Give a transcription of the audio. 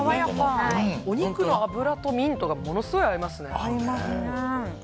お肉の脂とミントがすごく合いますね。